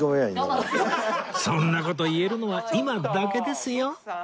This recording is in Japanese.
そんな事言えるのは今だけですよ